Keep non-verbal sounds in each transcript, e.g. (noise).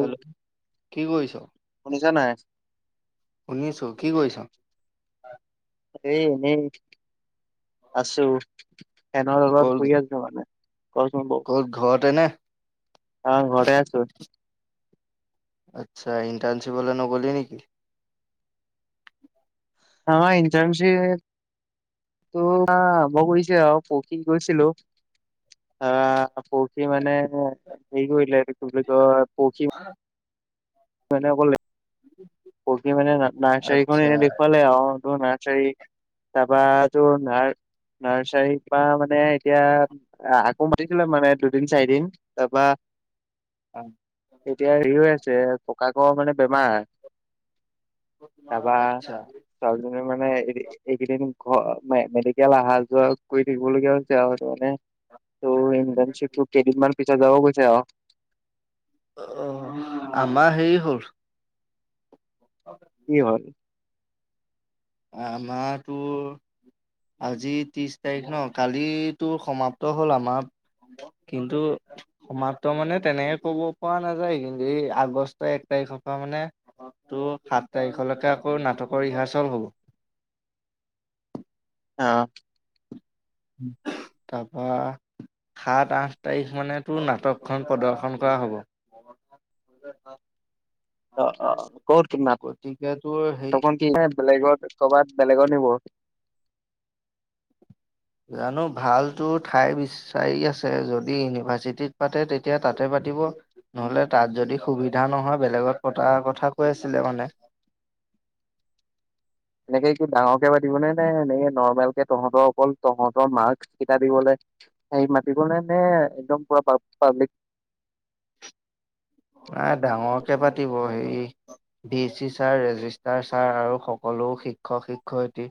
Hello কি কৰিছ? শুনিছা নাই? শুনিছো, কি কৰিছ? এ এনেই আছো ফেনৰ লগত ক'ত শুই আছো মানে ক'ত ঘৰতে নে অ ঘৰতে আছো। আচ্ছা ইণ্টাৰ্নশ্বিপ লে নগলি নেকি? আমাৰ ইণ্টাৰ্নশ্বিপ তোৱা আৰম্ভ কৰিছে আও পৰখি গৈছিলো। অ' পৰখি মানে অ' হেৰি কৰিলে মানে অকল পৰখি মানে নাৰ্চাৰীখন আচ্ছা এনে দেখুৱালে আৰু অ নাৰ্চাৰী তাৰপৰাটো না- নাৰ্চাৰীৰ পৰা মানে এতিয়া আকৌ মাতিছিলে মানে দুদিন - চাৰিদিন তাৰপৰা আ এতিয়া হেৰি হৈ আছে ককাকৰ মানে বেমাৰ। তাৰপৰা আচ্ছা ছোৱালী জনীয়ে মানে এই এইকেইদিন অ' মেডিকেল অহা যোৱা কৰি থাকিবলগীয়া হৈছে আৰু সেইটো মানে (unintelligible) যাব গৈছে আৰু। অ' আমাৰ হেৰি হ'ল। কি হল। আমাৰ তো আজি ত্ৰিশ তাৰিখ ন কালিতো সমাপ্ত হ'ল আমাৰ। কিন্তু সমাপ্ত মানে তেনেকে ক'ব পৰা নাযায় কিন্তু এই আগষ্ট এক তাৰিখ তাৰিখৰ পৰা মানে টো সাত তাৰিখলৈকে আকৌ নাটকৰ ৰিহাৰ্চেল হ'ব। অ' তাৰপা সাত-আঠ তাৰিখ মানেতো নাটকখন প্ৰদৰ্শন কৰা হ'ব। গতিকে তোৰ হেৰি তপন কিবা বেলেগত কৰবাত বেলেগত নিব। জানো ভালতো ঠাই বিচাৰি আছে যদি ইউনিভাৰ্চিটিত পাতে তেতিয়া তাতে পাতি পাতিব। নহলে তাত যদি সুবিধা নহয় বেলেগত পতাৰ কথা কৈ আছিলে মানে (inaudible) এনেকে কি ডাঙৰকে পাতিব নে নে এনেক নৰ্মেল কে তহঁতৰ অকল তহঁতৰ মাস্ কেইটা দিবলৈ হেৰি মাতিব ন নে একদম পুৰা পাব্লিক (inaudible) নাই ডাঙৰকে পাতিব হে V C sir register sir আৰু সকলো শিক্ষক শিক্ষয়িত্ৰী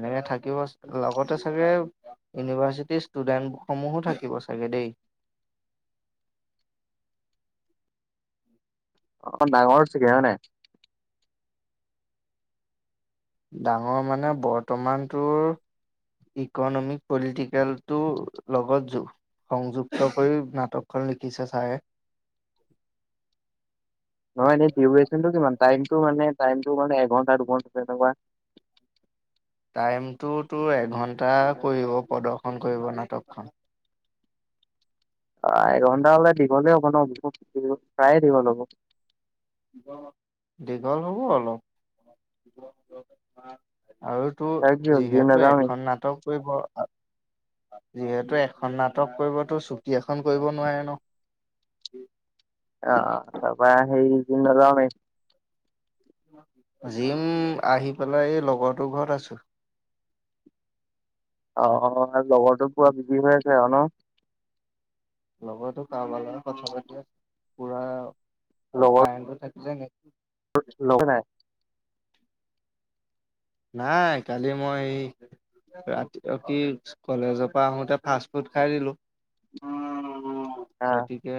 এনেকে থাকিব। লগতে চাগে ইউনিভাৰ্চিটিৰ ষ্টুডেণ্টসমূহো থাকিব চাগে দেই। (inaudible) অ' ডাঙৰ চাগে হয় নে নাই। ডাঙৰ মানে বৰ্তমানটোৰ ইকনমিক পলিটিকেলতটো লগত জু সংযুক্ত কৰি নাটকখন লিখিছে ছাৰে। নহয় এনে ডিউৰে্যনটো কিমান টাইমটো মানে টাইমটো মানে এঘন্টা দুঘন্টা এনেকুৱা বা। (inaudible) টাইমটো তোৰ এঘণ্টা কৰিব প্ৰদৰ্শন কৰিব নাটকখন। অ' এঘণ্টা হ'লে দীঘলে হ'ব ন' বহুত প্ৰায়ে দীঘল হ'ব। দীঘল হ'ব অলপ। আৰু তোৰ তাকে জিম যিহেতু নাযাওঁৱেই এখন নাটক কৰিব। যিহেতু এখন নাটক কৰিব তোৰ চুটি এখন কৰিব নোৱাৰে ন'। উম। আহ তাৰপৰা (unintelligible) জিম আহি পেলাই এই লগৰটোৰ ঘৰত আছো। (inaudible) আহ লগৰটো পূৰা বিজি হৈ আছে আৰু ন। লগৰতো কাৰবাৰ কথা পাতি আছে পুৰা আৰু লগৰ কাৰেণ্টটো থাকিলে (unintelligible) লগ নাই নাই কালি মই ৰাতি ৰকি কলেজৰ পৰা আহোতে ফাষ্ট ফুড খাই দিলো। অ অ' গতিকে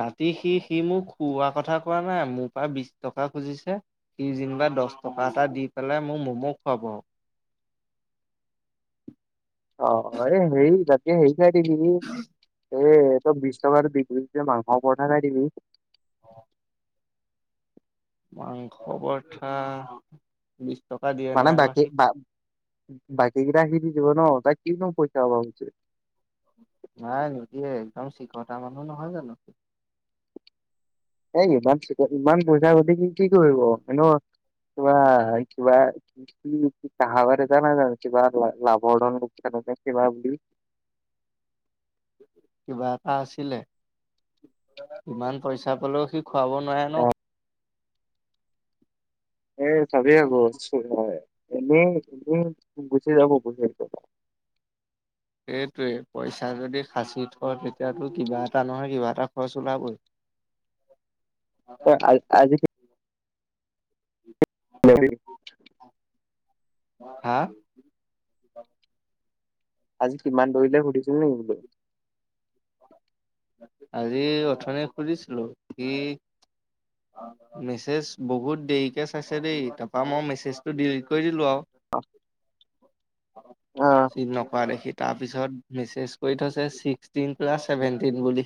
ৰাতি সি সি মোক খুওৱা কথা কোৱা নাই মোৰ পৰা বিশ টকা খুজিছে সি যেনিবা দহ টকা এটা দি পেলাই মোক ম'ম' খুৱাব আৰু অ অ এই হেৰি ততকে হেৰি খাই দিলি এই ত বিশ টকা বি যে মাংস পৰঠা খাই দিবি। মাংস পথা মানে বাকী বা বাকী কেইটা সি দি দিব ন কি ন পচাওঁ হৈছে একম চিকতা মানুহ নহয় জানো কি এ ইমান ইমান পইচা ঘটি কি কি কৰিব এ কিবা কিবা কি চাহ বাৰ জান জান কিবা লাভ লোকচান কিবা বুলি বুলি (unintelligible) কিবা এটা আছিলে কিমান পইচা পালেও সি খোৱাব নোৱাৰে এ ন এ চাবি আকৌ হয় এনেই এনেই গুচি যাব য (unintelligible) এইটোৱে পইচা যদি হাঁচি থয় তেতিয়য়াতো কিবা এটা নহয় কিবা এটা খৰচ ওলাবই (unintelligible) আজ আজি উ (unintelligible) হয় (unintelligible) হা! আজি কিমান দৌৰিলে সুধিছিল নেকি বোলো? আজি অথনি সুধিছিলো সি মেছেজ বহুত দেৰিকে চাইছে দেই, তাৰপা মই মেছেজটো ডিলিট কৰি দিলো আও। আহ (inaudible) চীন নকৱা দেখি তাৰপিছত মেছেজ কৰি থৈছে ছিক্সটিন প্লাছছেভেন টিন বুলি।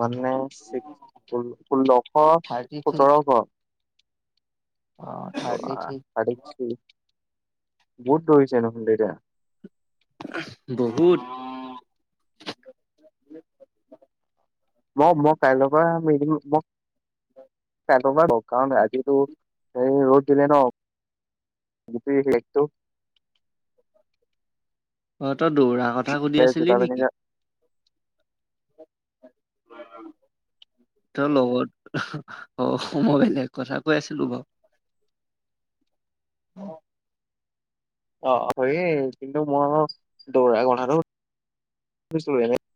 মানে চিক্স ষোল্লশ থাৰ্টি থ্ৰী সোতৰশ। অ থাৰ্টি থ্ৰী (unintelligible) বহুত দৌৰিছে দেখোন এতিয়া। বহুত। মই মই কাইলৈৰ পৰা মাৰি দিম মই (inaudible) (unintelligible) কাৰণ আজিতো সেই ৰ'দ দিলে ন। একটো (unintelligible) অ তই দৌৰা কথা সুধি জোতা আছিলি পিন্ধি নেকি যা- অ (unintelligible) ত লগত অ মই বেলেগ কথা কৈ আছিলো বাৰু (unintelligible) হ (unintelligible) অ হয়েই কিন্তু মই দৌৰা কথাটো। ছ নাই (unintelligible)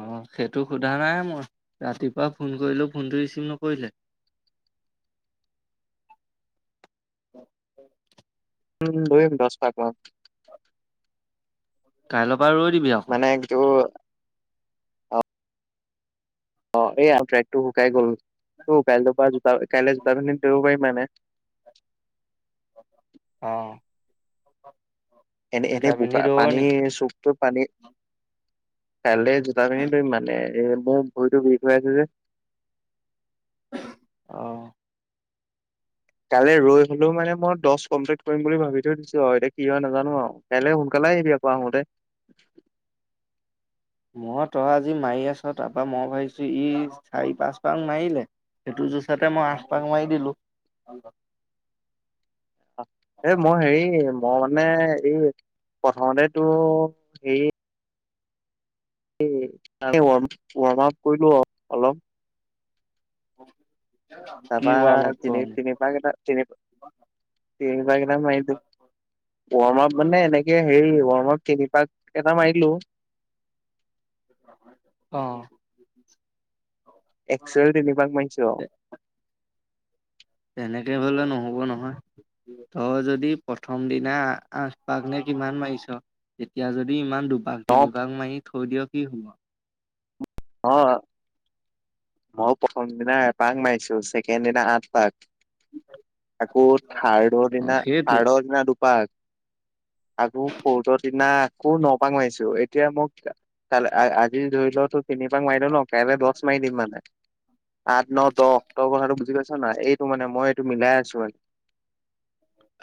অ' সেইটো সোধা নাই, মই ৰাতিপুৱা ফোন কৰিলো ফোনটো ৰিচিভ নকৰিলে। (unintelligible) (unintelligible) উম দৌৰিম দছ পাক মান। কাইল মানে য অ অ এইয়া ট্ৰেকটো শুকাই গ'ল। ত কাইল পৰা জোতা কাইলে জোতা পিন্ধি দৌৰিব পাৰিম মানে। অহ। এনে এনে বোকা পানী দৌৰণি চুপটোত পানী কাইলে জোতা পিন্ধি দৌৰিম মানে এই মোৰ ভৰিতটো বিষ হৈ আছে যে। আহ কাইলৈ ৰৈ হলেও মানে মই দহ কমপ্লিট কৰিম বুলি ভাবি থৈ দিছো অৰু, এতিয়া কি হয় নাজানো আৰু। কাইলে সোনকালে চাই আহিবি আকৌ আহোতে। মই তই আজি মাৰি আছ তাৰপৰা মই ভাবিছো ই চাৰি পাঁচ পাক মাৰিলে। সেইটো জুঁচাতে মই আঠ পাক মাৰি দিলো। এ মই হেৰি মই মানে এই প্ৰথমতেতো এ' ৱাৰ্ম আপ কৰিলো অলপ। কি তাৰপা ৱাৰ্ম আপ তিনি কৰিম তিনিপাক তিনিপাক এটা তিনিপাক এটা মাৰিলো, ৱৰ্মাপ মানে এনেকে হেৰি ৱৰ্মাপ কে পাক এটা মাৰি দিলো। অ' একচুৱেল নভাক মাৰিছো অ (unintelligible) তেনেকে হ'লে নহব নহয়। তই যদি প্ৰথম দিনা আঠ পাক নে কিমান মাৰিছ, তেতিয়া যদি ইমান দু বাঘ ন নি বাঘ মাৰি থৈ দিয়ক কি হব (unintelligible) অ' মইয়ো প্ৰথম দিনা এপাক মাৰিছো, ছেকেণ্ড দিনা আঠ পাক। আকৌ থাৰ্ডৰ অ' দিনা সেইটোৱে থাৰ্ডৰ দিনা দুপা (unintelligible) আকৌ ৰ্ফটৰ দিনা আকৌ ন পাক মাৰিছো এতিয়া মোক কাল আজি ধৰি লওতো তিনি পাক মাৰিলো ন কাইলৈ দছ পাক মাৰি দিম মানে। আঠ ন দহ তই কথাটো বুজি পাইছা ন, এইটো মানে মই এইটো মিলাই আছো মানে।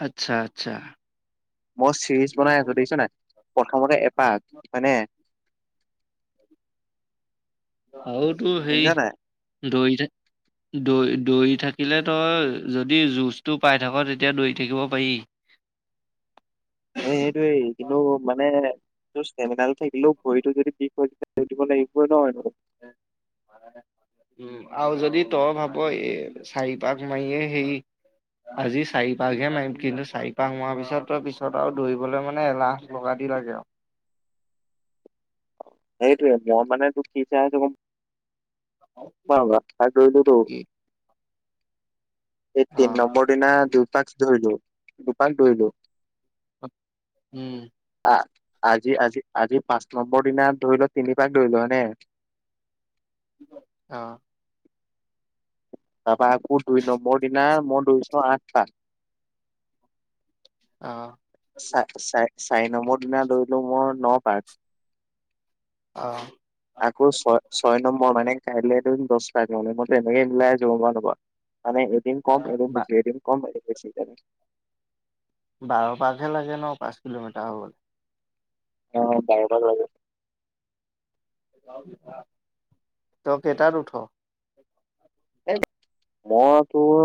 আচ্ছা আচ্ছা মই চিৰিজ বনাই আছো দেখিছনে নাই, প্ৰথমতে এপাক, হয়নে আৰুতো সেই শুনিছ নাই দৰি থা দৈ দৈৰি থাকিলে তই যদি জুচটো পাই থাক তেতিয়া দৰি থাকিব পাৰি। (unintelligible) হে সেইটোৱেই কিন্তু মানে ষ্টেমিনাৰটো থাকিলেও ভৰিতটো যদি বিষ হয় তেতিয়া উ দিব লাগিবই নহয় ন। উ আৰু যদি তই ভাব এই চাৰিপাক মাৰিয়েই হেৰি আজি চাৰি পাকহে মাৰিম, কিন্তু চাৰি পাক মাৰ পিছত তই পিছত আৰু দৌবলৈ মানে এলাহ লগা দি ঘেৰা গ (unintelligible) সেইটোৱেটো মই মানে তোক কি চাই আছো গম (unintelligible) কি এই তিন অ', নম্বৰ দিনা দুপাক ধুইলো দুপাক দৰিলো উম আজি আজি আজি পাঁচ নম্বৰ দিনা ধৰি লোৱা তিনিপাক দৰিলো হয়নে অহ তাপা আকৌ দুই নম্বৰ দিনা মই দৌৰিছোঁ আঠটা আহ (unintelligible) চাৰি নম্বৰ দিনা দৌৰিলো মই ন পাক অ আকৌ ছয় ছয় নম্বৰ মানে কাইলৈ দৌৰিম দহ পাক মানে, মই তেনেকে মিলাই আছো গ'ম পোৱানে নোপোৱা মানে এদিন কম এদিন বা বেছি এদিন কম এদিন বেছি এনেকে। বাৰ পাকহে লাগে ন পাঁচ কিলোমিটাৰ হবলৈ। অ বাৰটা লৈকে তই কেইটাত উঠ মই তোৰ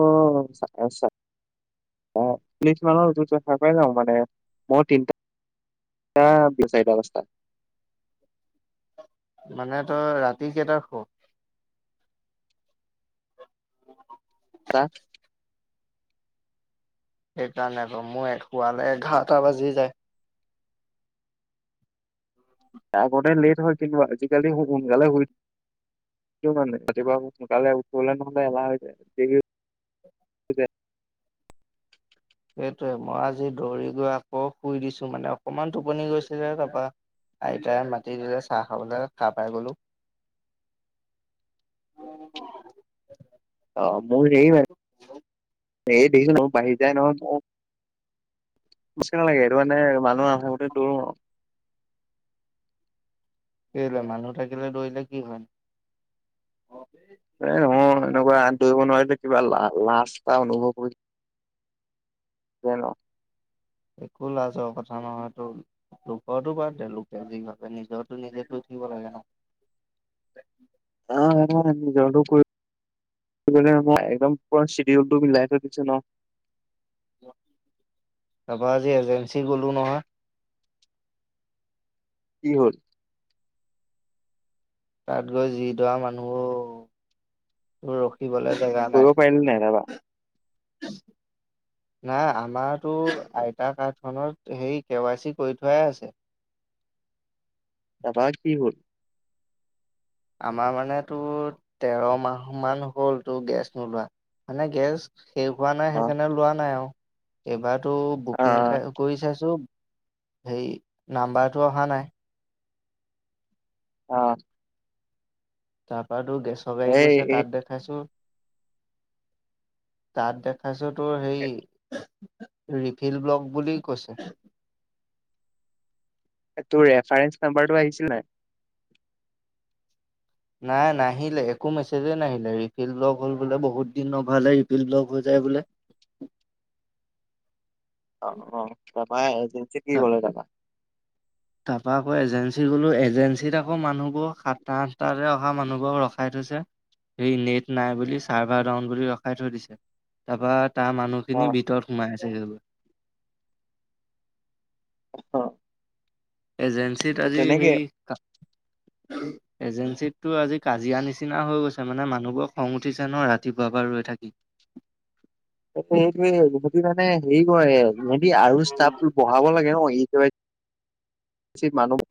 (unintelligible) মানৰ উঠো যে সাৰ পাই যাওঁ মানে মইয়ো তিনিটা টা চাৰিটা পাচটা মানে তই ৰাতি কেই তাত হুব? ক (unintelligible) সেইকাৰণে আৰু মোৰ শুৱালে এঘাৰটা বাজি যায়। আগতে লেট হয় কিন্তু আজিকালি সোনকালে শুই মানে ৰাতিপুৱা সোনকালে উঠিবলে নহলে এলাহ হৈ যায় য ঠিকে। সেইটয়ে মই আজি দৌৰি গৈ আকৌ শুই দিছো মানে অকমান টোপনি গৈছিলে তাৰাপা আইতাই মাটি দিলে চাহ খাবলৈ হাড় পাই গলো। অ মোৰ হেৰী (unintelligible) স দেছো মোৰ বাঢ়ি যায় ন নি লাগেটো মানে মানুহ দো (unintelligible) কেলে মানুহ থাকিলে দৌৰিলে কি হয়? এ নহয় এনেকুৱা দৌৰিব নোৱাৰিলে কিবা লা লাজটা অনুভৱ কৰি জনো। একো লাজৰ কথা নহয় তো লোকো লোকৰ তো বাদ দে লোকে যি ভাবে নিজ তো নিজে কৰি থাকিব লাগে ন। (unintelligible) একদম শিডিউলমি মিলাই থৈ দিছে ন। তপা আজি এজেঞ্চি গলো নহয় কি হল? তাত গৈ যি দৰা মানুহো ৰখ ৰখি বলৈ জেগা কৰিব নাই। পাৰিলি নাই তাৰপা নাই আমাৰতো আইতা কাৰ্ডখনত সেই কে ৱাই চি কৰি থোৱাই আছে। তাৰ পৰা কি হল? আমাৰ মান তোৰ তেৰ মাহ মান হ'ল তোৰ গেছ নোলোৱা। মানে গেছ শেষ হোৱা নাই অ সেইকাৰণে লোৱা নাই আও এইবাৰতো অ বুকিং কৰি চাইছোঁ সেই নাম্বাৰটো অহা নাই। অ তাৰপা তোৰ গেছৰ গাড়ী গৈছে এই তাত দেখাইছো। তাত দেখাইছো তোৰ হেই ৰিফিল ব্লগ বুলি কৈছে। তোৰ ৰেফাৰেন্স নাম্বৰটো আহিছিল নাই? নাই নাহিলে একো মেছেজে নাহিলে, ৰিফিল ব্লক হ'ল বোলে বহুত দিন নভাল ৰিফিল ব্লক হৈ যায় বোলে। অঁ অঁ তাপা এ এজেঞ্চি কি ত ক'লে তাপা তাৰপা আকৌ এজেঞ্চি গ'লো এজেঞ্চিত আকৌ মানুহবোৰ সাতটা আঠটাতে অহা মানুহবোৰক ৰখাই থ স নেট নাই বুলি চাৰ্ভাৰ ডাউন বুলি ৰখাই থৈ দিছে। তাৰপা তাৰ অ মানুহখিনি ভিতৰত সোমাইছে। অ', এজেঞ্চিত আজি তেনেকে সেই হা এজেঞ্চিতটো আজি কাজিয়া নিচিনা হৈ গৈছে, মানে মানুহবোৰ খং উঠিছে ন ৰাতিপুৱা পা ৰ লৈ থাকি। সেইটোয়েই। সিহঁতি মানে হেৰি কৰে, সিহঁতি আৰু উম ষ্টফ বঢ়াব লাগে ন! মানুহ